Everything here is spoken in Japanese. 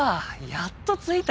やっと着いた。